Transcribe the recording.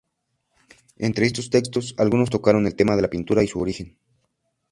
Entre estos textos, algunos tocaron el tema de la pintura y su origen.